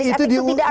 itu di uji apakah